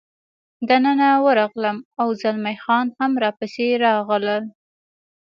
دننه ورغلم، او زلمی خان هم را پسې راغلل.